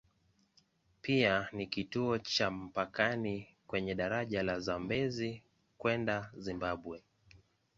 Pia ni kituo cha mpakani kwenye daraja la Zambezi kwenda Zimbabwe.